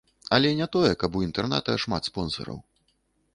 Але не тое, каб у інтэрната шмат спонсараў.